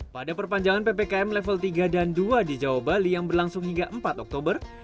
pada perpanjangan ppkm level tiga dan dua di jawa bali yang berlangsung hingga empat oktober